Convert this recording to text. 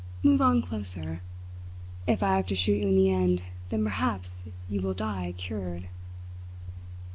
Move on closer. If I have to shoot you in the end, then perhaps you will die cured."